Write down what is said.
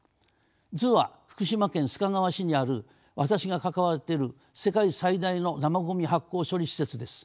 図は福島県須賀川市にある私が関わっている世界最大の生ごみ発酵処理施設です。